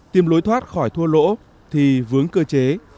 tìm lối thoát khỏi thua lỗ thì vướng cơ chế